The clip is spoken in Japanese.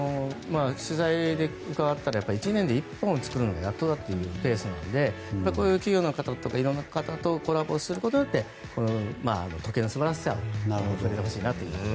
取材で伺ったら１年で１本作るのがやっとというペースなのでこういう企業の方とか色んな方とコラボすることで時計の素晴らしさを広めてほしいなと。